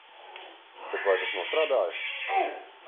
Bet vai tas nostrādāja?